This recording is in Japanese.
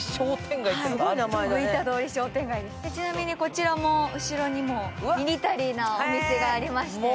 りちなみにこちらも、後ろにもミリタリーなお店がありまして。